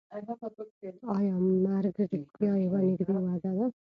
ایا مرګ رښتیا یوه نږدې وعده ده؟